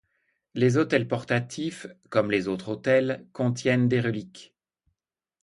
Les autels portatifs, comme les autres autels, contiennent des reliques.